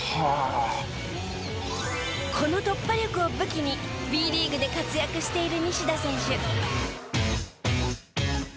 この突破力を武器にＢリーグで活躍している西田選手。